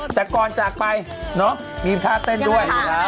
แต่ก่อนจากไปเนาะมีกินทางเต้นด้วย